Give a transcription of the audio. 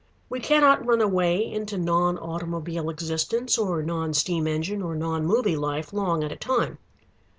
We cannot run away into non automobile existence or non steam engine or non movie life long at a time.